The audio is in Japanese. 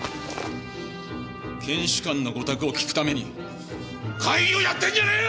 検視官の御託を聞くために会議をやってんじゃねえ！！